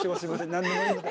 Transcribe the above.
何でもいいので。